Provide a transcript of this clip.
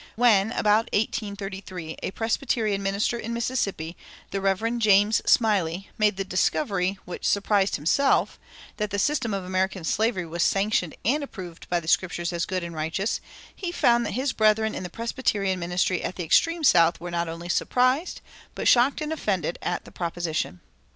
When (about 1833) a Presbyterian minister in Mississippi, the Rev. James Smylie, made the "discovery," which "surprised himself," that the system of American slavery was sanctioned and approved by the Scriptures as good and righteous, he found that his brethren in the Presbyterian ministry at the extreme South were not only surprised, but shocked and offended, at the proposition.